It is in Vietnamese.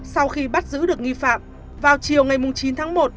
sau khi bắt giữ được nghi phạm vào chiều ngày chín tháng một